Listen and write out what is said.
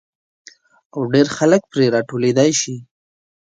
او ډېر خلک پرې را ټولېدای شي.